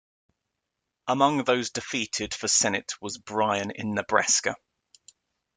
Among those defeated for Senate was Bryan in Nebraska.